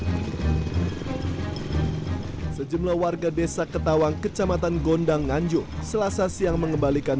hai sejumlah warga desa ketawang kecamatan gondang nganjuk selasa siang mengembalikan